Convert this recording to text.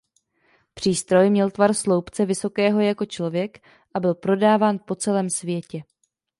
Přístroj měl tvar sloupce vysokého jako člověk a byl prodáván po celém světě.